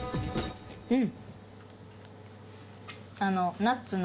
うん。